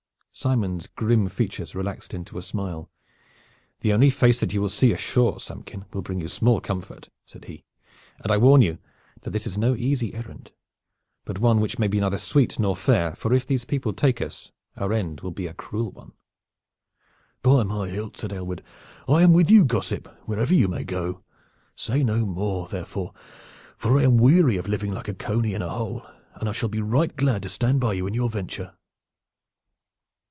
Simon's grim features relaxed into a smile. "The only face that you will see ashore, Samkin, will bring you small comfort," said he, "and I warn you that this is no easy errand, but one which may be neither sweet nor fair, for if these people take us our end will be a cruel one." "By my hilt," said Aylward, "I am with you, gossip, wherever you may go! Say no more, therefore, for I am weary of living like a cony in a hole, and I shall be right glad to stand by you in your venture."